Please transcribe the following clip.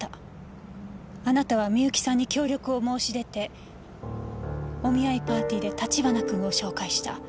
あなたはみゆきさんに協力を申し出てお見合いパーティーで立花君を紹介した。